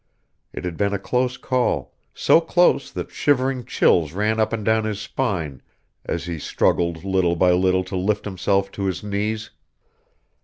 It had been a close call, so close that shivering chills ran up and down his spine as he struggled little by little to lift himself to his knees.